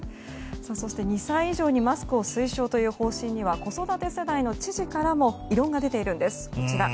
そして２歳以上にマスクを推奨という方針には子育て世代の知事からも異論が出ているんです。